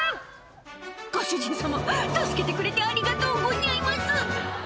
「ご主人様助けてくれてありがとうごニャいます」